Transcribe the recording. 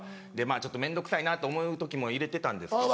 ちょっと面倒くさいなと思う時も入れてたんですけど。